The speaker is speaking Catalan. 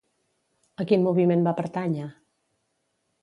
A quin moviment va pertànyer?